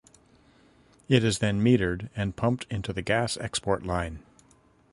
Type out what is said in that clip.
It is then metered and pumped into the gas export line.